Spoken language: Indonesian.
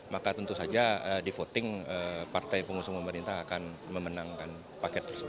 maka tentu saja di voting partai pengusung pemerintah akan memenangkan paket tersebut